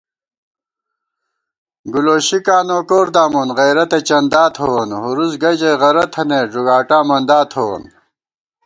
گُولوشِکاں نوکور دامون غیرَتہ چندا تھووون * ھوُرُوس گہ ژَئی غَرہ تھنَئیت ݫُگاٹا مندا تھووون